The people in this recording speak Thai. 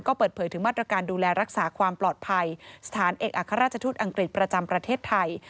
ก็เปิดเผยถึงมาตรการดูแลรักษาความปลอดภัยสถานเอกอัครราชทูตอังกฤษประจำประเทศไทย